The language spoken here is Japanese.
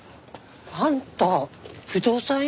あんた不動産屋？